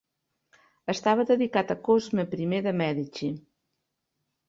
Estava dedicat a Cosme I de Mèdici.